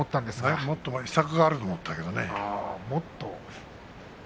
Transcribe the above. もっと秘策があると思ったんだけどね。